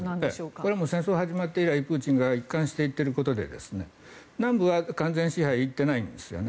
これは戦争始まって以来プーチンが一貫して言っていることで南部は完全支配いってないんですよね。